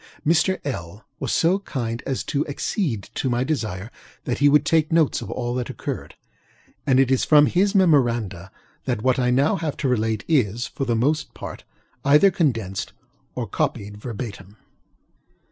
Mr. LŌĆöl was so kind as to accede to my desire that he would take notes of all that occurred, and it is from his memoranda that what I now have to relate is, for the most part, either condensed or copied verbatim.